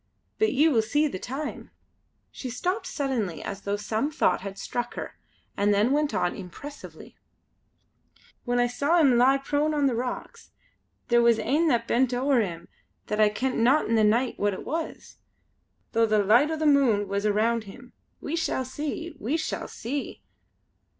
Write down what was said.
But ye will see the time " She stopped suddenly as though some thought had struck her, and then went on impressively: "When I saw him lie prone on the rocks there was ane that bent ower him that I kent not in the nicht wha it was, though the licht o' the moon was around him. We shall see! We shall see!"